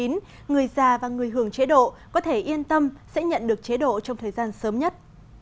người già và người hưởng chế độ có thể yên tâm sẽ nhận được chế độ trong thời gian sớm nhất